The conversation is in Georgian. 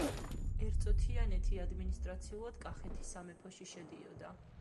ერწო-თიანეთი ადმინისტრაციულად კახეთის სამეფოში შედიოდა.